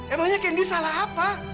emangnya candy salah apa